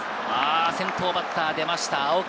先頭バッターでました青木。